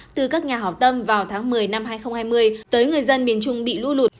từ các nhà hảo tâm vào tháng một mươi năm hai nghìn hai mươi tới người dân miền trung bị lũ lụt